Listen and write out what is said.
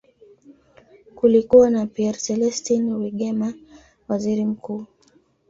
Kulikuwa na Pierre Celestin Rwigema, waziri mkuu.